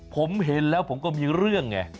ผมเห็นแล้วผมก็มีเรื่องไง